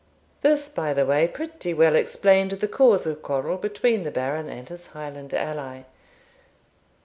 This, by the way, pretty well explained the cause of quarrel between the Baron and his Highland ally.